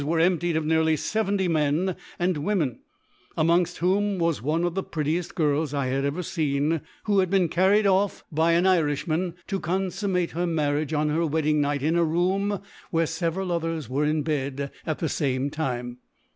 were emptied of near fe venty Men, and Women s amongft whom was one of the prcttieft Girls I had ever feen, who bad been carried off by an Irijh^ man^ to Gonfummate her Marriage on her Wedding night, in a Room where fevcral others were in Bed at the fame time.